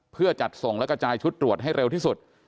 เพื่อจัดส่งและกระจายชุดตรวจให้เร็วที่สุด